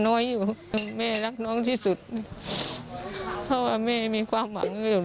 น้อยอยู่แม่รักน้องที่สุดเพราะว่าแม่มีความหวังอยู่